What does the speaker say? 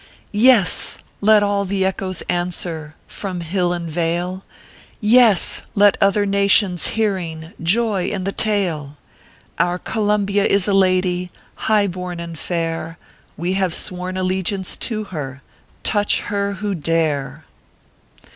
60 ORPHEUS C. KERR PAPERS. Yes! Let all the echoes answer, From hill and vale; Yes! Let other nations, hearing, Joy in the tale. Our Columbia is a lady, High born and fair; We have sworn allegiance to her Touch her who dare.